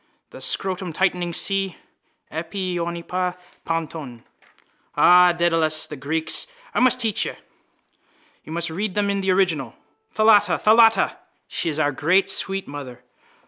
The scrotumtightening sea. Epi oinopa ponton. Ah, Dedalus, the Greeks! I must teach you. You must read them in the original. Thalatta! Thalatta! She is our great sweet mother.